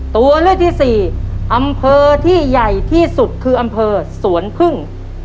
ตัวเลือกที่สี่อำเภอที่ใหญ่ที่สุดคืออำเภอสวนพึ่ง